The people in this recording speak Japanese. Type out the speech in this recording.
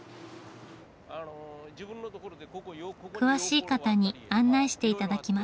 詳しい方に案内して頂きます。